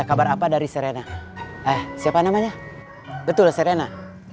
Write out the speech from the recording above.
kabar apa dari serena eh siapa namanya betul serena